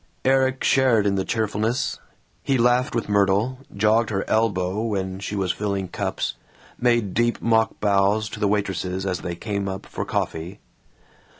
Erik shared in the cheerfulness. He laughed with Myrtle, jogged her elbow when she was filling cups, made deep mock bows to the waitresses as they came up for coffee.